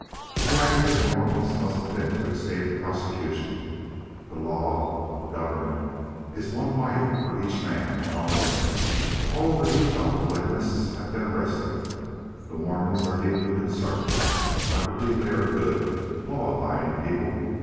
"The idea of the Mormons must have been to escape prosecution. The law of the government is one wife for each man no more. All over Utah polygamists have been arrested. The Mormons are deeply concerned. I believe they are a good, law abiding people.